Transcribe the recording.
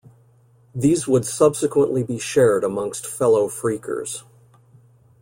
These would subsequently be shared amongst fellow phreakers.